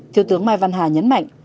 thiếu tướng mai văn hà nhấn mạnh